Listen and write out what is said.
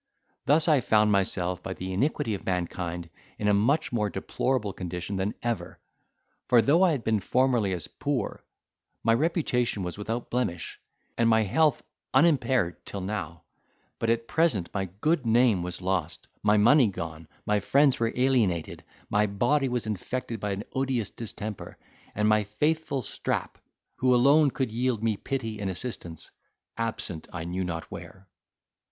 Thus I found myself, by the iniquity of mankind, in a much more deplorable condition than ever: for though I had been formerly as poor, my reputation was without blemish, and my health unimpaired till now; but at present my good name was lost, my money gone, my friends were alienated, my body was infected by an odious distemper; and my faithful Strap, who alone could yield me pity and assistance, absent I knew not where.